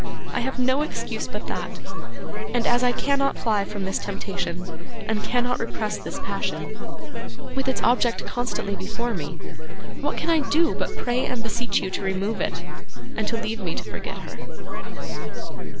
I have no excuse but that; and as I cannot fly from this temptation, and cannot repress this passion, with its object constantly before me, what can I do but pray and beseech you to remove it, and to leave me to forget her?